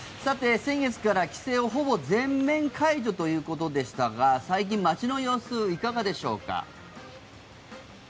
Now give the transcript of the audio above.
先月から規制をほぼ全面解除ということでしたが最近、街の様子はいかがでしょうか。